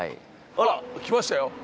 あらっきましたよ